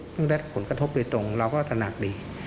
ซึ่งได้ผลกระทบด้วยตรงเราก็สนับดี